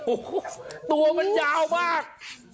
โอ้โหตัวมันยาวมาก